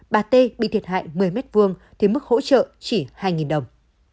bà t bị thiệt hại một mươi m hai thì mức hỗ trợ chỉ hai đồng